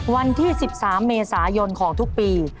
วันที่๑๓เมษายนของทุกปี